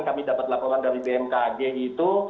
kami dapat laporan dari bmkg itu